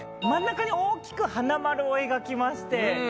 真ん中に大きく花丸を描きまして。